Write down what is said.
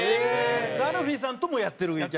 アルフィーさんともやってる。